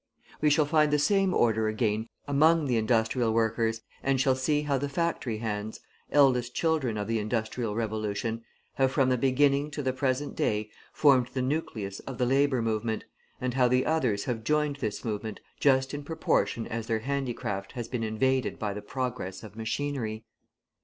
We shall find the same order again among the industrial workers, and shall see how the factory hands, eldest children of the industrial revolution, have from the beginning to the present day formed the nucleus of the Labour Movement, and how the others have joined this movement just in proportion as their handicraft has been invaded by the progress of machinery.